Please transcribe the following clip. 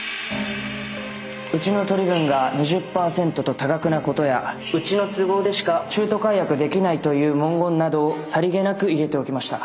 うちの取り分が２０％と多額なことやうちの都合でしか中途解約できないという文言などをさりげなく入れておきました。